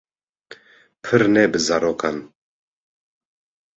Pir ne bi zarokan